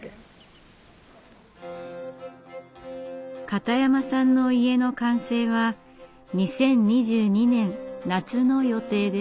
片山さんの家の完成は２０２２年夏の予定です。